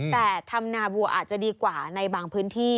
แต่ทำนาบัวอาจจะดีกว่าในบางพื้นที่